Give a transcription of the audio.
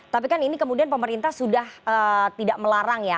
tapi kan ini kemudian pemerintah sudah tidak melarang ya